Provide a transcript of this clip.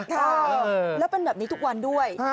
ค่ะแล้วเป็นแบบนี้ทุกวันด้วย